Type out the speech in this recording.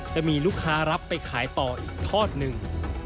จะมีลูกค้ารับไปขายต่ออีกทอดหนึ่ง